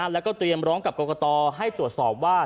แล้วก็เตรียมร้องกับกรกตให้ตรวจสอบว่า